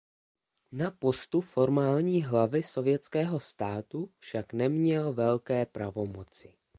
Na postu formální hlavy Sovětského státu však neměl velké pravomoci.